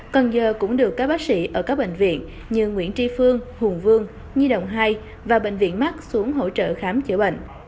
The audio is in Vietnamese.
cần giờ cũng được các bác sĩ ở các bệnh viện như nguyễn tri phương hùng vương di động hai và bệnh viện mắt xuống hỗ trợ khám chữa bệnh